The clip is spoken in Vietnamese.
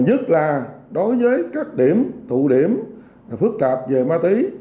nhất là đối với các điểm tụ điểm phức tạp về ma túy